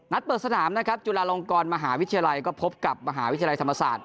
เปิดสนามนะครับจุฬาลงกรมหาวิทยาลัยก็พบกับมหาวิทยาลัยธรรมศาสตร์